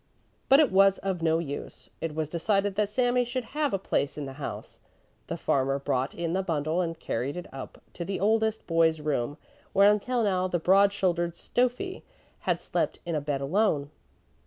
But it was of no use; it was decided that Sami should have a place in the house. The farmer brought in the bundle and carried it up to the oldest boy's room, where until now the broad shouldered Stöffi had slept in a bed alone.